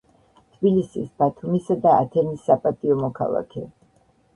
თბილისის, ბათუმისა და ათენის საპატიო მოქალაქე.